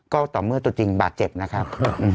ก็ต่อเมื่อตัวจริงบาดเจ็บนะครับ